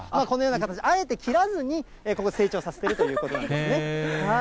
このような形で、あえて切らずにここ、生長させているということなんですね。